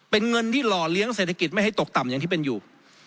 เป็นเงินที่หล่อเลี้ยงเศรษฐกิจไม่ให้ตกต่ำอย่างที่เป็นอยู่